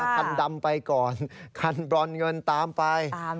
คันดำไปก่อนคันบรอนเงินตามไป